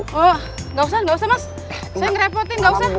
enggak usah enggak usah mas saya ngerepotin enggak usah